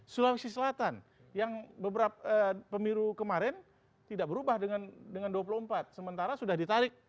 sulawesi selatan yang beberapa pemilu kemarin tidak berubah dengan dua puluh empat sementara sudah ditarik